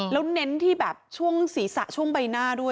แล้วเน้นที่แบบช่วงศีรษะช่วงใบหน้าด้วย